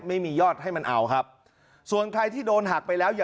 ไม่มียอดให้มันเอาครับส่วนใครที่โดนหักไปแล้ว